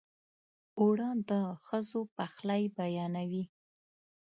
اوړه د ښځو پخلی بیانوي